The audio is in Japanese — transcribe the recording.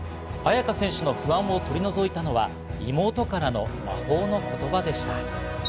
亜矢可選手の不安を取り除いたのは妹からの魔法の言葉でした。